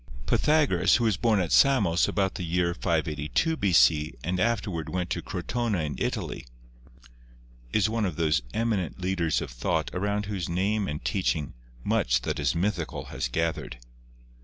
Pythagoras, who was born at Samos about the year 582 B.C., and afterward went to Crotona in Italy, is one of those eminent leaders of thought around whose name and teaching much that is mythical has gathered.